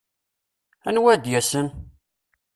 Anwa ad d-yasen?